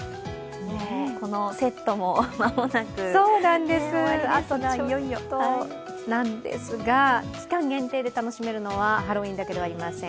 このセットも間もなく期間限定で楽しめるのはハロウィーンだけではありません。